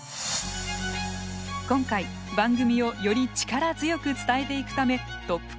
今回番組をより力強く伝えていくためトップ